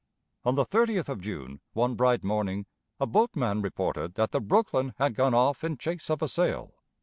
On the 30th of June, one bright morning, a boatman reported that the Brooklyn had gone off in chase of a sail.